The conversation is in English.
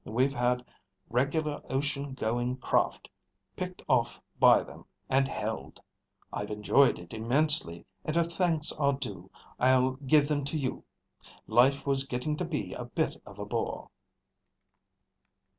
We've had regular ocean going craft picked off by them and held. I've enjoyed it immensely, and if thanks are due, I'll give them to you. Life was getting to be a bit of a bore."